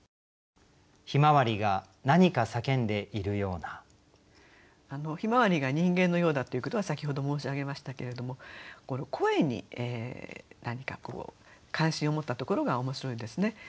向日葵が人間のようだということは先ほど申し上げましたけれどもこの声に何か関心を持ったところが面白いですね。